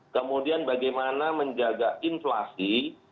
kemudian bagaimana menjaga inflasi